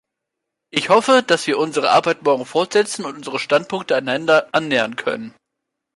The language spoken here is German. Ich hoffe, dass wir unsere Arbeit morgen fortsetzen und unsere Standpunkte einander annähern können.